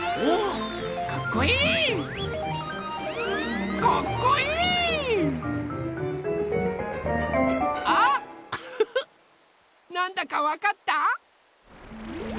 ウフフなんだかわかった？